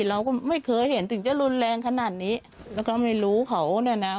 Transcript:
เราก็ไม่เคยเห็นถึงจะรุนแรงขนาดนี้แล้วก็ไม่รู้เขาเนี่ยนะ